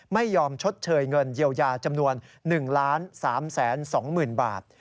ไม่ยอมชดเชยเงินเยียวยาจำนวน๑๓๒๐๐๐บาท